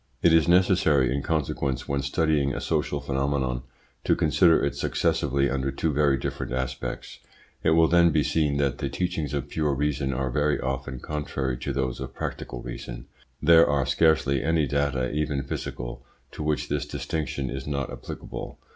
It is necessary, in consequence, when studying a social phenomenon, to consider it successively under two very different aspects. It will then be seen that the teachings of pure reason are very often contrary to those of practical reason. There are scarcely any data, even physical, to which this distinction is not applicable.